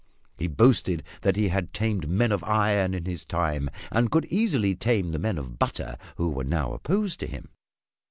He boasted that he had tamed men of iron in his time and could easily tame the men of butter who were now opposed to him.